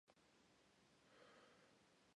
This was accepted by the prosecution.